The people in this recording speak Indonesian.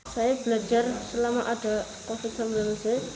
saya belajar selama ada covid sembilan belas